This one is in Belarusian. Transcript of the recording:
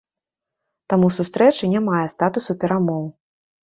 Таму сустрэча не мае статусу перамоў.